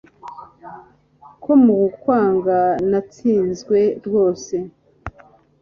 Ko mukwanga natsinzwe rwose